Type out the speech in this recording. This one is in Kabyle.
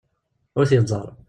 Ur t-yeẓẓar.